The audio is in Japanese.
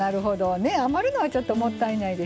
余るのはちょっともったいないですよね。